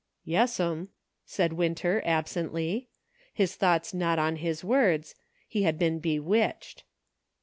"Yes'm," said Winter, absently; his thoughts not on his words ; he had been bewitched.